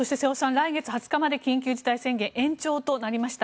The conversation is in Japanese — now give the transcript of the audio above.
来月２０日まで緊急事態宣言延長となりました。